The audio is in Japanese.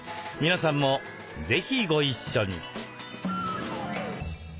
皆さんも是非ご一緒に。